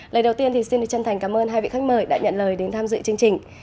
lời đầu tiên thì xin chân thành cảm ơn hai vị khách mời đã nhận lời đến tham dự chương trình